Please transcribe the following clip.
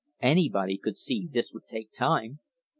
Anybody could see this would take time.